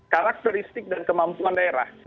karakteristik dan kemampuan daerah